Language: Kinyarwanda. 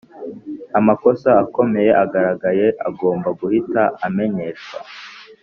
Amakosa akomeye agaragaye agomba guhita amenyeshwa